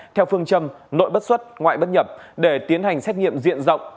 theo phương châm nội bất xuất ngoại bất nhập để tiến hành xét nghiệm diện rộng